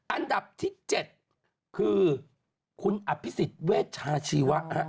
อันดับที่๗คือคุณอภิษฎเวชชาชีวะ